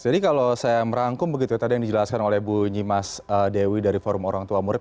jadi kalau saya merangkum begitu tadi yang dijelaskan oleh bu nyimas dewi dari forum orangtua murid